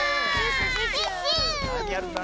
なにやるんだ？